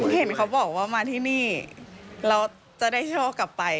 เห็นเขาบอกว่ามาที่นี่เราจะได้โชคกลับไป